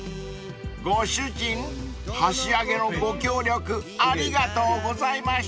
［ご主人箸上げのご協力ありがとうございました］